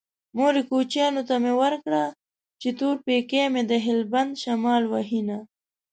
مورې کوچيانو ته مې ورکړه چې تور پېکی مې د هلبند شمال وهينه